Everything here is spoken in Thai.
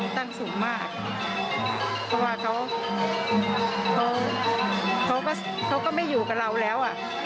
ตั้งสูงมากเพราะว่าเขาก็ไม่อยู่กับเราแล้วอ่ะ